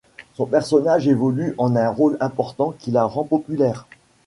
Son personnage évolue en un rôle important qui l’a rend populaire.